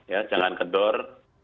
ya jangan kendor